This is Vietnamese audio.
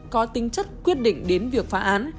có tính chất quyết định đến việc phá án